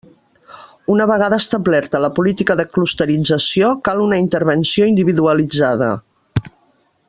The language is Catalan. Una vegada establerta la política de clusterització, cal una intervenció individualitzada.